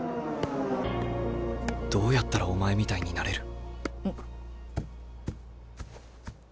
どうやったらお前みたいになれる？